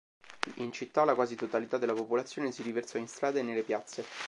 In città la quasi totalità della popolazione si riversò in strada e nelle piazze.